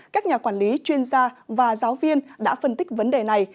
các nhà quản lý chuyên gia và giáo viên đã phân tích vấn đề này